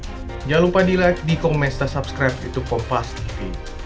jangan lupa di like di comment dan subscribe youtube kompastv